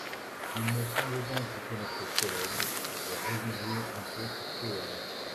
Il me semble donc que notre collègue doit réviser un peu sa théorie.